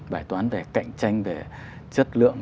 bài toán về cạnh tranh về chất lượng